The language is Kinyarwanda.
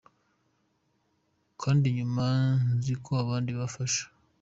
Kandi nyuma, nzi ko abandi bafasha.